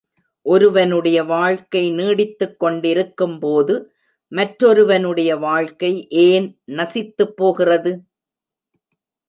ஒருவனுடைய வாழ்க்கை நீடித்துக்கொண்டிருக்கும்போது, மற்றொருவனுடைய வாழ்க்கை ஏன் நசித்துப் போகிறது?